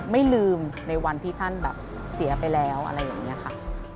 ไม่ลืมในวันที่ท่านแบบเสียไปแล้วอะไรอย่างนี้ค่ะ